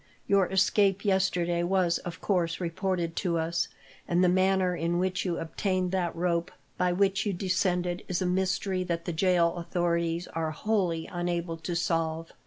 Your escape yesterday was, of course, reported to us; and the manner in which you obtained that rope, by which you descended, is a mystery that the jail authorities are wholly unable to solve.